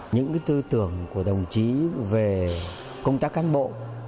những tư tưởng của đồng chí về công tác cán bộ